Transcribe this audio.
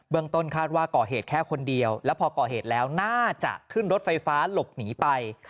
ต้นคาดว่าก่อเหตุแค่คนเดียวแล้วพอก่อเหตุแล้วน่าจะขึ้นรถไฟฟ้าหลบหนีไป